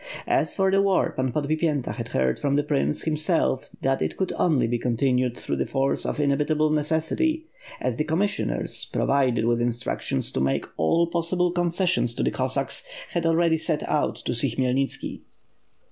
As for the war Pan Podbipyenta had heard from the prince, himself, that it could only be continued through the force of inevitable neces sity; as the commissioners, provided with instructions to make all possible concessions to the Cossacks, had already set out to see Khmyelnitski.